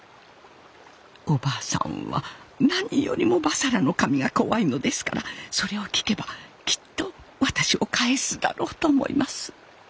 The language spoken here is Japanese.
お婆さんは何よりも婆娑羅の神が怖いのですからそれを聞けばきっと私を返すだろうと思います。